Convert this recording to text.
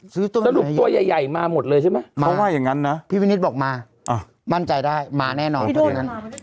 ซื้อตัวใหญ่ใหญ่มาหมดเลยใช่ไหมมาพี่วินิสบอกมามั่นใจได้มาแน่นอน